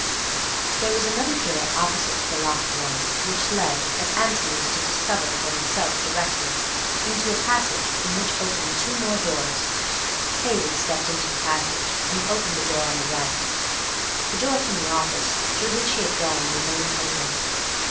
There was another door opposite to the locked one, which led, as Antony was to discover for himself directly, into a passage from which opened two more rooms. Cayley stepped into the passage, and opened the door on the right. The door from the office, through which he had gone, remained open.